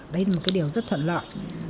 đấy là một cái điều rất thuận lợi